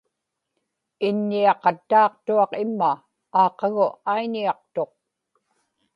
iññiaqattaaqtuaq imma aaqagu aiñiaqtuq